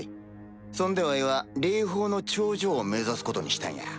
そんでわいは霊峰の頂上を目指すことにしたんや。